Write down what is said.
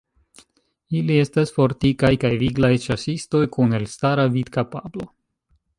Ili estas fortikaj kaj viglaj ĉasistoj kun elstara vidkapablo.